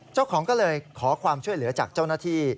เจ้าของก็เลยขอความช่วยเหลือจากเจ้าหน้าที่